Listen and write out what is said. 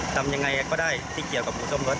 ทำยังไงก็ได้ที่เกี่ยวกับอูซ่อมรถ